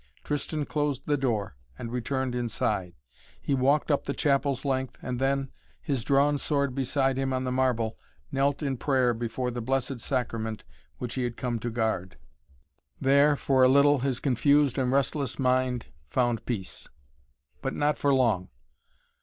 Tristan closed the door and returned inside. He walked up the chapel's length and then, his drawn sword beside him on the marble, knelt in prayer before the Blessed Sacrament which he had come to guard. There, for a little, his confused and restless mind found peace. But not for long.